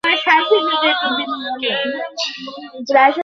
সেটারই ব্যবস্থা করছি।